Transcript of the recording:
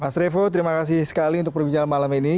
mas revo terima kasih sekali untuk perbincangan malam ini